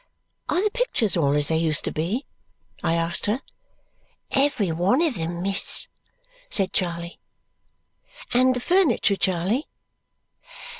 "Are the pictures all as they used to be?" I asked her. "Every one of them, miss," said Charley. "And the furniture, Charley?"